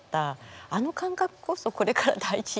あの感覚こそこれから大事。